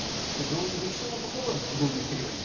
導入できそうなところは導入していけばいいと。